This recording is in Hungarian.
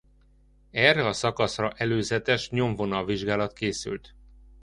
Erre a szakaszra előzetes nyomvonal vizsgálat készült.